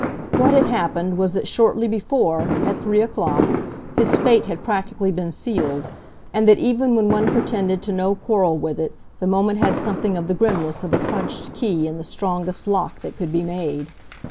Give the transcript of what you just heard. What had happened was that shortly before, at three o'clock, his fate had practically been sealed, and that even when one pretended to no quarrel with it the moment had something of the grimness of a crunched key in the strongest lock that could be made.